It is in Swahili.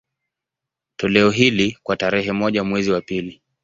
Toleo hili, kwa tarehe moja mwezi wa pili